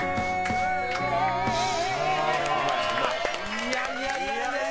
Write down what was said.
いやいやいや。